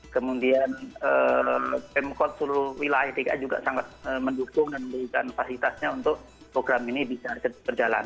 kemudian pemkot seluruh wilayah dki juga sangat mendukung dan memberikan fasilitasnya untuk program ini bisa berjalan